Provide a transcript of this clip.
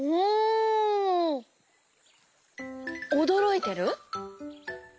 おどろいてる？